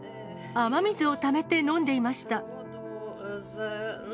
雨水をためて飲んでいました。